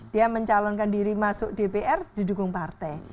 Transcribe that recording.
dia mencalonkan diri masuk dpr didukung partai